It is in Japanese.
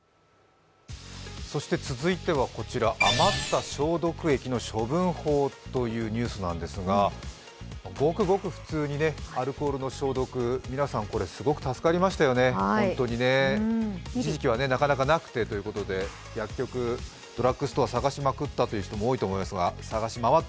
そして続いてはこちら余った消毒液の処分法というニュースなんですが、ごくごく普通にアルコールの消毒、皆さんこれ、すごく助かりましたよね、本当にね一時期はなかなかなくてということで薬局やドラッグストアを探し回った方も多いかと思います。